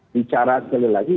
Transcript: bicara sekali lagi